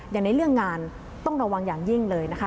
อย่างในเรื่องงานต้องระวังอย่างยิ่งเลยนะคะ